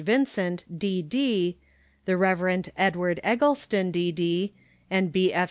Vincent, D.D., the Rev. Edward Eggleston, D.D., and B. F.